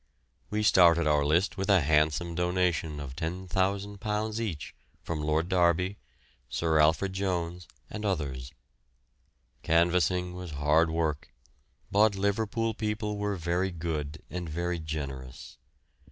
We started our list with a handsome donation of £10,000 each from Lord Derby, Sir Alfred Jones, and others. Canvassing was hard work, but Liverpool people were very good and very generous.